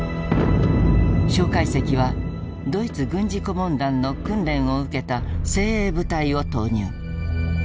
蒋介石はドイツ軍事顧問団の訓練を受けた精鋭部隊を投入。